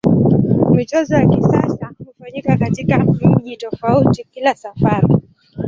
Michezo ya kisasa hufanyika katika mji tofauti kila safari.